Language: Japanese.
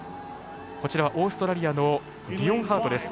こちらはオーストラリアのリオンハートです。